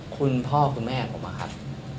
คุณพ่อคุณแม่ผมอะครับ